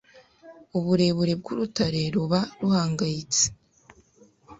uburebure bwurutare ruba ruhangayitse